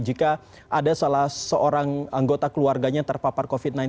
jika ada salah seorang anggota keluarganya terpapar covid sembilan belas